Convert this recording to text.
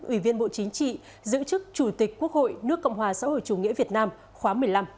ủy viên bộ chính trị giữ chức chủ tịch quốc hội nước cộng hòa xã hội chủ nghĩa việt nam khóa một mươi năm